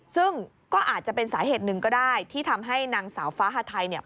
ซึ่งก็อาจจะเป็นสาเหตุหนึ่งก็ได้ที่ทำให้นางสาวฟ้าฮาไทยเนี่ย